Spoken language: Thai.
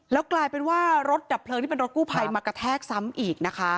แล้วกลายเป็นว่ารถดับเพลิงที่เป็นรถกู้ภัยมากระแทกซ้ำอีกนะคะ